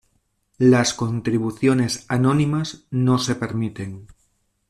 Las contribuciones anónimas no se permiten.